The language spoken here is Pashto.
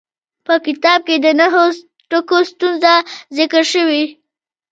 په کتاب کې د نهو ټکو ستونزه ذکر شوې.